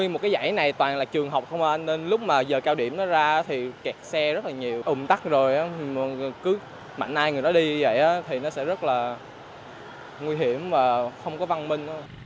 mạnh ai người đó đi như vậy thì nó sẽ rất là nguy hiểm và không có văn minh